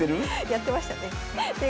やってましたね。